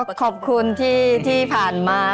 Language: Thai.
ขอบคุณที่ผ่านมา